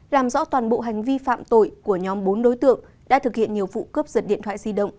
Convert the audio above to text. làm rõ toàn bộ hành vi phạm tội của nhóm bốn đối tượng đã thực hiện nhiều vụ cướp giật điện thoại di động